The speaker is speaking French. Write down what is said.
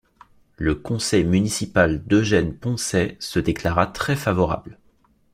Le conseil municipal d'Eugène Poncet se déclara très favorable.